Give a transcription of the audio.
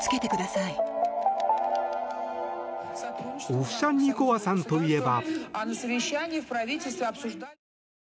オフシャンニコワさんといえば。